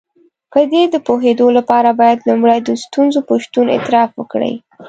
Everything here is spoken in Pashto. په دې د پوهېدو لپاره بايد لومړی د ستونزې په شتون اعتراف وکړئ.